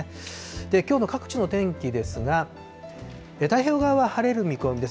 きょうの各地の天気ですが、太平洋側は晴れる見込みです。